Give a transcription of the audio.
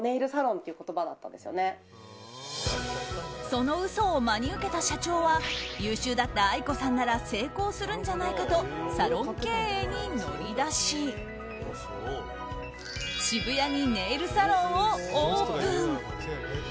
その嘘を真に受けた社長は優秀だったＡＩＫＯさんなら成功するんじゃないかとサロン経営に乗り出し渋谷にネイルサロンをオープン。